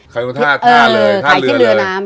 ขายที่เรือน้ำขายที่เรือน้ำ